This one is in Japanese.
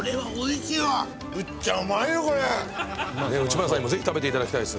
内村さんにもぜひ食べていただきたいです。